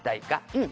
「うん。